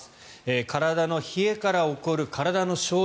体の冷えから起こる体の症状